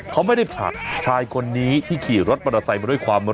เค้าไม่ได้ผ่านชายคนนี้ที่ขี่รถมอเตอร์ไซน์มาด้วยความเร็วนะ